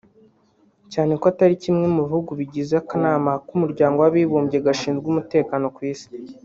cyane ko atari na kimwe mu bihugu bigize akanama k’Umuryango w’Abibumbye gashinzwe umutekano ku isi